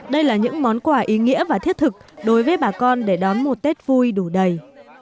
đây là những món quà ý nghĩa và thiết thực đối với bà con để đón một tết vui đủ đầy